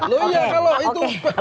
loh iya kalau itu